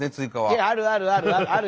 いやあるあるあるある！